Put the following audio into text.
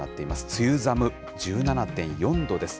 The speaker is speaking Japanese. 梅雨寒、１７．４度です。